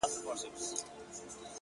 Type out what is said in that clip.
ځکه بده ورځ راتللای سي